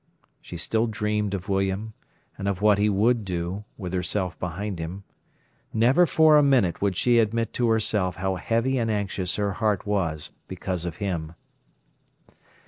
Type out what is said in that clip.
She still dreamed of William, and of what he would do, with herself behind him. Never for a minute would she admit to herself how heavy and anxious her heart was because of him.